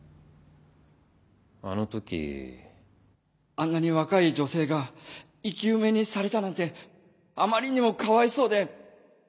あんなに若い女性が生き埋めにされたなんてあまりにもかわいそうで